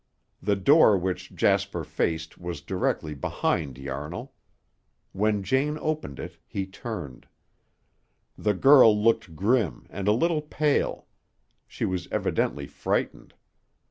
The door which Jasper faced was directly behind Yarnall. When Jane opened it, he turned. The girl looked grim and a little pale. She was evidently frightened.